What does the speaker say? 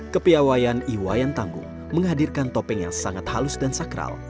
kepiawayan iwayan tanggung menghadirkan topeng yang sangat halus dan sakral